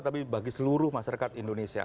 tapi bagi seluruh masyarakat indonesia